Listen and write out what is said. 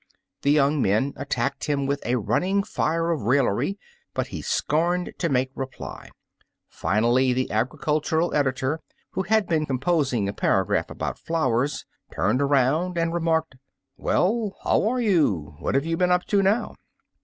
The young men attacked him with a running fire of raillery, but he scomed to make reply. Finally, the agri cultural editor, who had been composing 149 Uncle Remus Returns a paragraph about flowers, turned around and remarked: — "Well, here you are! What have you been up to now?'